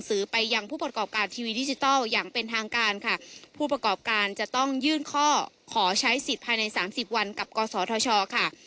สื่อไปยังผู้ประกอบการทีวีดิจิทัลอย่างเป็นทางการค่ะผู้ประกอบการจะต้องยื่นข้อขอใช้สิทธิ์ภายในสามสิบวันกับกศธชค่ะ